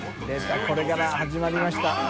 个これから始まりました。